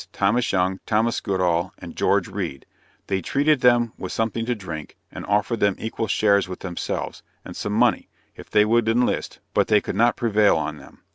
Thomas Young, Thomas Goodall, and George Reed they treated them with something to drink, and offered them equal shares with themselves, and some money, if they would enlist, but they could not prevail on them.